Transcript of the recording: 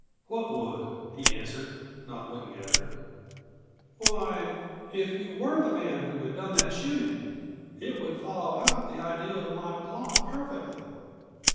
"What would?" he answered, not looking at her. "Why, if you were the man who had done that shooting! It would follow out the idea of my plot perfectly.